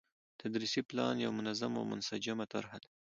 تدريسي پلان يو منظم او منسجمه طرحه ده،